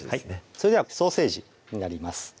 それではソーセージになります